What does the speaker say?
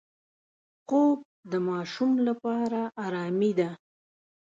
خوب د ماشوم لپاره آرامي ده